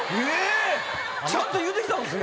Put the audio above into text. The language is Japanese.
ちゃんと言うてきたんですね。